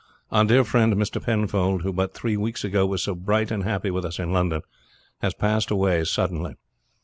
Our dear friend Mr. Penfold, who but three weeks ago was so bright and happy with us in London, has passed away suddenly.